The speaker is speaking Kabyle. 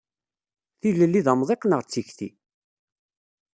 Tilelli d amḍiq neɣ d tikti?